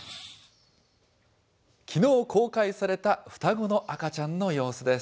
きのう公開された双子の赤ちゃんの様子です。